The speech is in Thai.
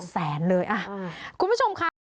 แสนเลยคุณผู้ชมค่ะ